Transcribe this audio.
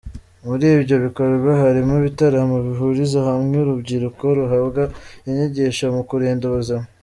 Muri ibyo bikorwa harimo ibitaramo bihuriza hamwe urubyiruko rugahabwa inyigisho mu kurinda ubuzima.